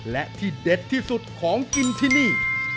และที่เด็ดที่สุดของกินที่นี่